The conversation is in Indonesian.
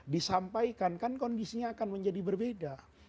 disampaikan kan kondisinya akan menjadi berbeda